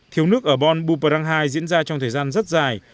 thiếu nước ở bòn bù bà răng hai diễn ra trong thời gian rất dài